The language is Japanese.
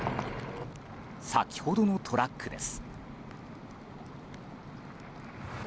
先ほどのトラックです。